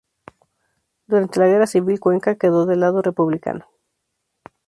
Durante la Guerra Civil, Cuenca quedó del lado republicano.